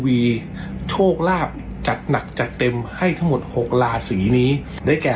อาจารย์ทธาชิณภัญชรเขาบอกอย่างนี้ว่า